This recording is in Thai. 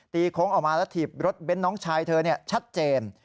โค้งออกมาแล้วถีบรถเบ้นน้องชายเธอชัดเจน